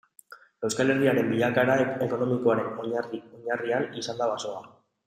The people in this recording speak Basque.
Euskal Herriaren bilakaera ekonomikoaren oinarri-oinarrian izan da basoa.